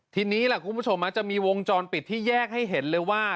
ทีนี้ล่ะคุณผู้ชมจะมีวงจรปิดที่แยกให้เห็นเลยว่า